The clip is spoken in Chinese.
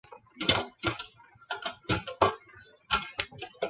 当高僧祖古内。